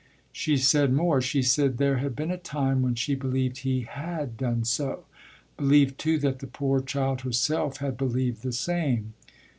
She said more: she said there had been a time when she believed he had done so believed too that the poor child herself had believed the same.